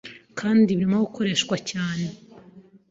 kandi birimo gukoreshwa cyane